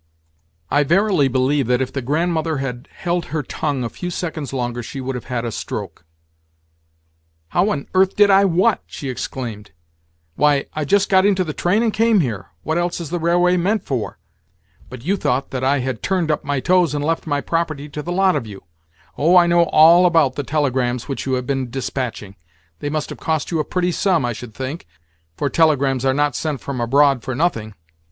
I verily believe that if the Grandmother had held her tongue a few seconds longer she would have had a stroke. "How on earth did I what?" she exclaimed. "Why, I just got into the train and came here. What else is the railway meant for? But you thought that I had turned up my toes and left my property to the lot of you. Oh, I know all about the telegrams which you have been dispatching. They must have cost you a pretty sum, I should think, for telegrams are not sent from abroad for nothing.